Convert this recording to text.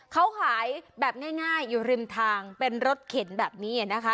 เขาขายแบบง่ายอยู่ริมทางเป็นรถเข็นแบบนี้นะคะ